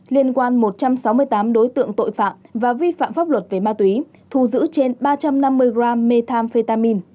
liên quan một trăm sáu mươi tám đối tượng tội phạm và vi phạm pháp luật về ma túy thu giữ trên ba trăm năm mươi g methamphetamin